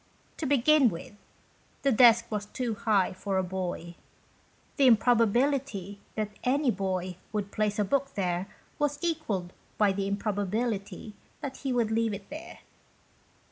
To begin with, the desk was too high for a boy. The improbability that any boy would place a book there was equalled by the improbability that he would leave it there.